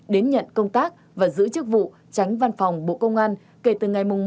đến nhận công tác và giữ chức vụ tránh văn phòng bộ công an kể từ ngày một hai hai nghìn hai mươi ba